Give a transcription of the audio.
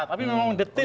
tapi memang detil